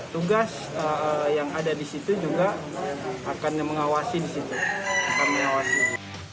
tugas yang ada di situ juga akan mengawasi di situ akan mengawasi